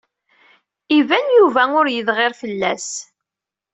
Iban Yuba ur yedɣir fell-as.